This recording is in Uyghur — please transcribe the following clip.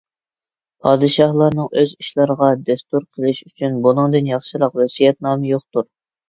پادىشاھلارنىڭ ئۆز ئىشىلىرىغا دەستۇر قىلىشى ئۈچۈن بۇنىڭدىن ياخشىراق ۋەسىيەتنامە يوقتۇر.